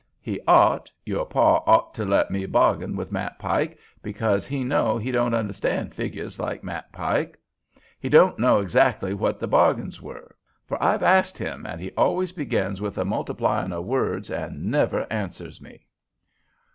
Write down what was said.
He ought, your pa ought to let me bargain with Matt Pike, because he know he don't understan' figgers like Matt Pike. He don't know exactly what the bargain were; for I've asked him, and he always begins with a multiplyin' of words and never answers me."